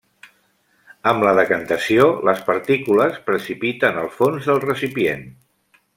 Amb la decantació, les partícules precipiten al fons del recipient.